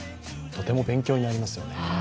とても勉強になりますよね。